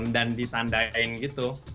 dan ditandain gitu